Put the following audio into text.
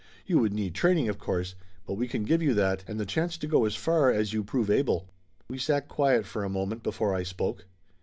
You would need training, of course, but we can give you that, and the chance to go as far as you prove able." We sat quiet for a moment before I spoke.